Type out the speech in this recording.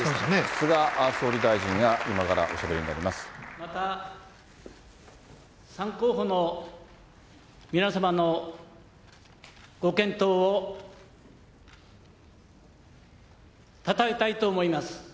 菅総理大臣が今からおしゃべまた、３候補の皆様のご健闘をたたえたいと思います。